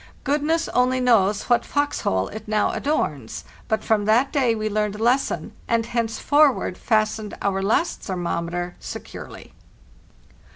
Goodness only knows what fox hole it now adorns; but from that day we learned a les son, and henceforward fastened our last thermometer securely.